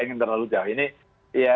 ingin terlalu jauh ini